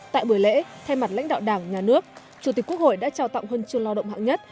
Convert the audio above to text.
tại buổi lễ thay mặt lãnh đạo đảng nhà nước chủ tịch quốc hội đã trao tặng huân chương lao động hạng nhất